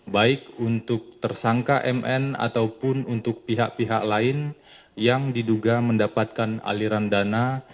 baik untuk tersangka mn ataupun untuk pihak pihak lain yang diduga mendapatkan aliran dana